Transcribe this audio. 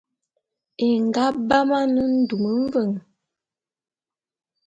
É nga bam ane ndum mveng.